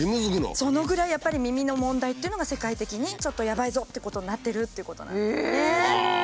そのぐらいやっぱり耳の問題っていうのが世界的にちょっとやばいぞっていうことになってるっていうことなんですね。